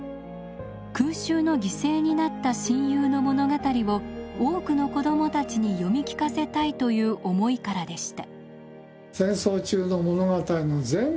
空襲の犠牲になった親友の物語を多くの子どもたちに読み聞かせたいという思いからでした。